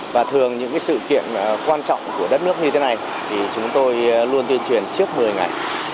và thường những sự kiện quan trọng của đất nước như thế này thì chúng tôi luôn tuyên truyền trước một mươi ngày